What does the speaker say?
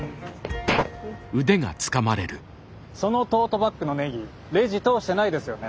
そのトートバッグのネギレジ通してないですよね？